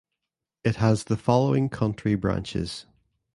It has the following country branches.